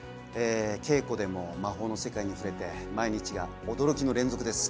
稽古でも魔法の世界に触れて毎日が驚きの連続です